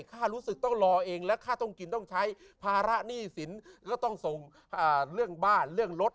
ค่ารู้สึกต้องรอเองและค่าต้องกินต้องใช้ภาระหนี้สินแล้วต้องส่งเรื่องบ้านเรื่องรถ